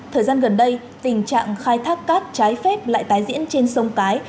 thời gian gần đây tình trạng khai thác cát trái phép lại tái diễn trên sông cái